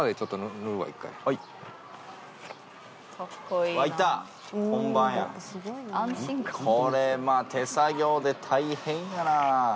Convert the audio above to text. これ手作業で大変やな。